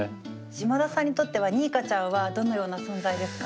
嶋田さんにとってはニーカちゃんはどのような存在ですか？